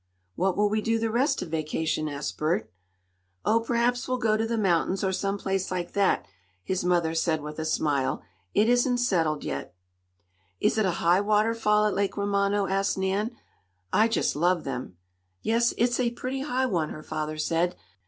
"What will we do the rest of vacation?" asked Bert. "Oh, perhaps we'll go to the mountains, or some place like that," his mother said with a smile. "It isn't settled yet." "Is it a high waterfall at Lake Romano?" asked Nan. "I just love them." "Yes, it's a pretty high one," her father said.